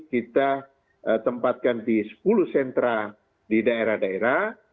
kita tempatkan di sepuluh sentra di daerah daerah